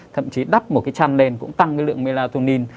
thậm chí đắp một cái chăn lên cũng tăng cái lượng melatonin